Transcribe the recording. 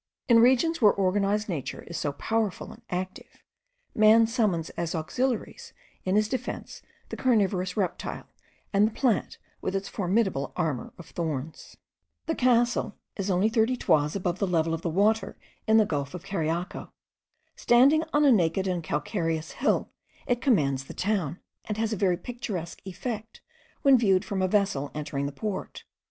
In regions where organized nature is so powerful and active, man summons as auxiliaries in his defence the carnivorous reptile, and the plant with its formidable armour of thorns. The castle is only thirty toises above the level of the water in the gulf of Cariaco. Standing on a naked and calcareous hill, it commands the town, and has a very picturesque effect when viewed from a vessel entering the port.